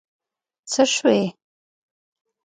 څه شوي؟